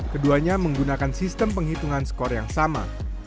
keduanya menggunakan sistem penghitungan skor yang sama